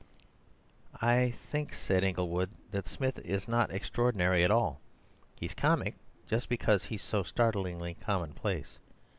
"I think," said Inglewood, "that Smith is not extraordinary at all. He's comic just because he's so startlingly commonplace.